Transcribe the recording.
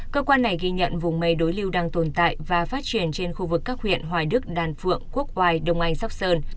cơ quan này ghi nhận vùng mây đối lưu đang tồn tại và phát triển trên khu vực các huyện hoài đức đàn phượng quốc hoài đông anh sóc sơn